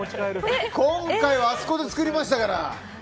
今回はあそこで作りましたから。